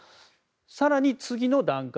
更に次の段階。